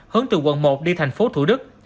hướng từ quận một đi tp thủ đức